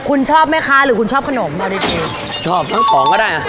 คุณชอบไหมคะหรือคุณชอบขนมเอาในเทปชอบทั้งสองก็ได้